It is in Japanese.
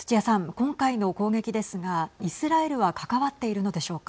今回の攻撃ですがイスラエルは関わっているのでしょうか。